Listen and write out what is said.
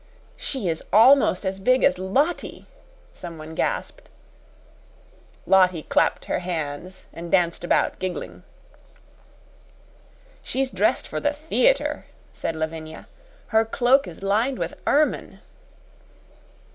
"She is almost as big as Lottie," someone gasped. Lottie clapped her hands and danced about, giggling. "She's dressed for the theater," said Lavinia. "Her cloak is lined with ermine."